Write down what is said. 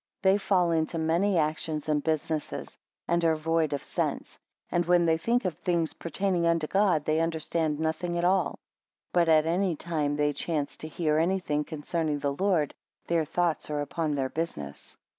12 They fall into many actions and businesses, and are void of sense, and when they think of things pertaining unto God, they understand nothing at all; but at any time they chance to hear any thing concerning the Lord, their thoughts are upon their business.